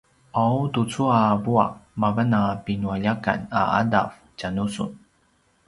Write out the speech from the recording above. ’aw tucu a vua’ mavan a pinualjakan a ’adav tjanusun